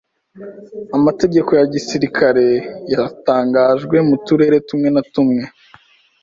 Amategeko ya gisirikare yatangajwe mu turere tumwe na tumwe.